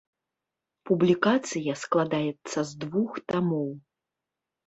Публікацыя складаецца з двух тамоў.